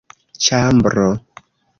ĉambro